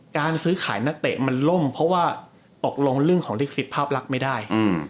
การซื้อขายนักเตะมันล่มเพราะว่าตกลงเรื่องของลิขสิทธิภาพลักษณ์ไม่ได้